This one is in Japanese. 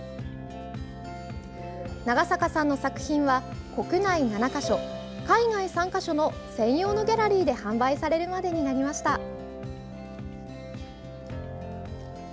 長坂さんの作品は国内７か所、海外３か所の専用のギャラリーで販売されるまでになりました。